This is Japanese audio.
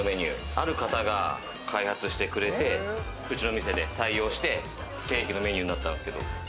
ある方が開発してくれて、うちの店で採用して、正規のメニューになったんですけれども。